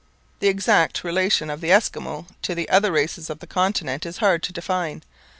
The exact relation of the Eskimo to the other races of the continent is hard to define.